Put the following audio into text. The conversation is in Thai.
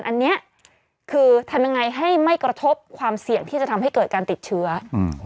อันนี้คือทำยังไงให้ไม่กระทบความเสี่ยงที่จะทำให้เกิดการติดเชื้ออืม